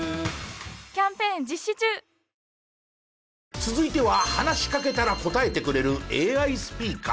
続いては話しかけたら答えてくれるＡＩスピーカー。